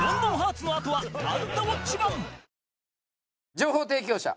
情報提供者